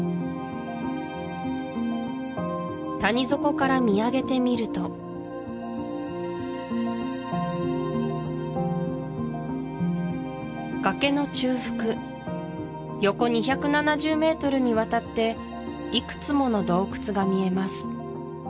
谷底から見上げてみると崖の中腹横２７０メートルにわたっていくつもの洞窟が見えます